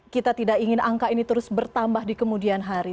kita tidak ingin angka ini terus bertambah di kemudian hari